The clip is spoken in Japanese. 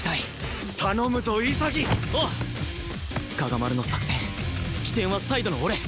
我牙丸の作戦起点はサイドの俺！